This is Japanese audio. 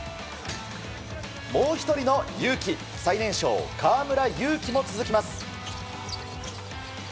もう１人のユウキ最年少、河村勇輝も続きます。